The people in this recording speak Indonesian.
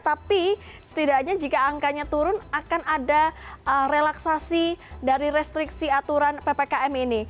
tapi setidaknya jika angkanya turun akan ada relaksasi dari restriksi aturan ppkm ini